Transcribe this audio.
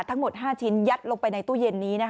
ทั้งหมด๕ชิ้นยัดลงไปในตู้เย็นนี้